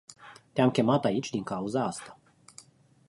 Te-am chemat aici din cauza asta.